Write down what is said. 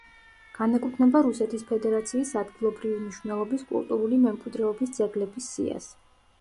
განეკუთვნება რუსეთის ფედერაციის ადგილობრივი მნიშვნელობის კულტურული მემკვიდრეობის ძეგლების სიას.